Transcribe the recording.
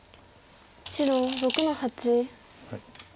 白６の八。